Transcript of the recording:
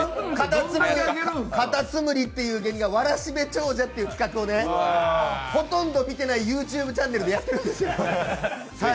わらしべ長者という企画を、ほとんど見ていないＹｏｕＴｕｂｅチャンネルでやってるんですよ。